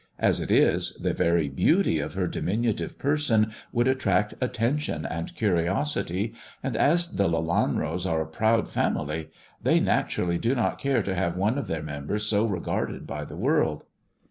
As it is, the very beauty of her diminutive person would attract attention and curiosity ; and as the Lelanros are a proud family, they naturally do not care to have one of their members so regarded by the world."